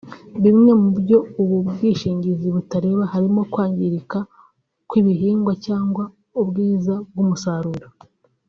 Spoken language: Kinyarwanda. Bimwe mu byo ubu bwishingiza butareba harimo kwangirika kw’ibihingwa cyangwa ubwiza bw’umusaruro